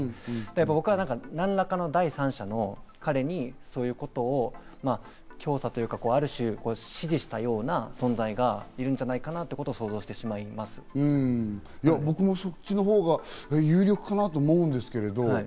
僕は何らかの第三者の彼にそういうことを教唆というか、指示したような存在がいるんじゃないかなと想像し僕もそっちのほうが有力かなと思うんですけど。